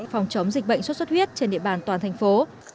phòng chống dịch bệnh xuất xuất huyết trên địa bàn toàn thành phố